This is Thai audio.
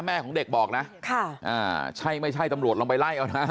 แม่ของเด็กบอกนะใช่ไม่ใช่ตำรวจลองไปไล่เอานะ